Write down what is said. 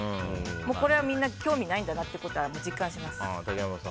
これはみんな興味ないんだなってことは竹山さん。